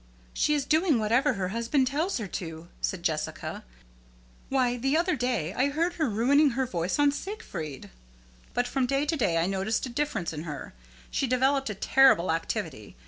"She is doing whatever her husband tells her to," said Jessica. "Why, the other day I heard her ruining her voice on 'Siegfried'!" But from day to day I noticed a difference in her. She developed a terrible activity.